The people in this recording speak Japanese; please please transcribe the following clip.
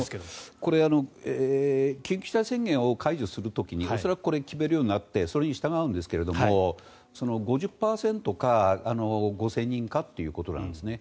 これ緊急事態宣言を解除する時に恐らくこれは決めるようになってそれに従うんですが５０％か５０００人かということなんですね。